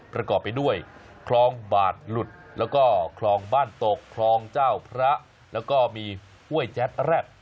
ประกอบไปด้วยคลองบาดหลุดแล้วก็คลองบ้านตกคลองเจ้าพระแล้วก็มีห้วยแจ๊ดแร็ด